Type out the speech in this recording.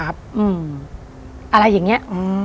อะไรอย่างนี้